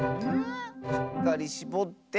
しっかりしぼって。